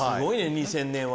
２０００年は。